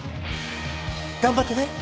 頑張ってね！